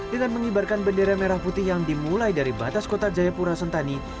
dengan mengibarkan bendera merah putih yang dimulai dari batas kota jayapura sentani